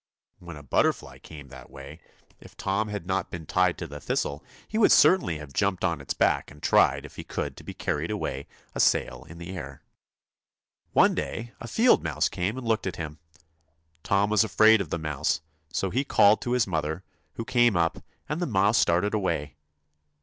When a butterfly came that way, if Tom had not 201 TOM been tied to the thistle, he would certainly have THUMB jumped on its back and tried if he could be carried away a sail in the air. One day a field mouse came and looked at him. Tom was afraid of the mouse, so he called to his mother, who came up, and the mouse darted away.